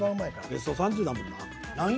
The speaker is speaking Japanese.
ベスト３０だもんな。